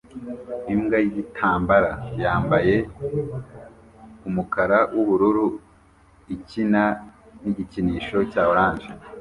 Imbwa yigitambara yambaye umukara wubururu ikina nigikinisho cya orange